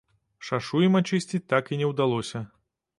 Шашу ім ачысціць так і не ўдалося.